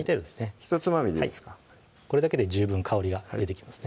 ひとつまみでいいですかこれだけで十分香りが出てきますね